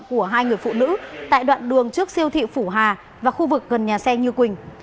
của hai người phụ nữ tại đoạn đường trước siêu thị phủ hà và khu vực gần nhà xe như quỳnh